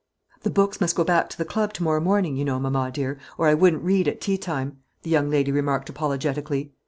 "The books must go back to the club to morrow morning, you know, mamma dear, or I wouldn't read at tea time," the young lady remarked apologetically.